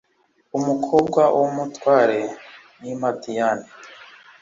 umukobwa w’umutware w’i madiyani.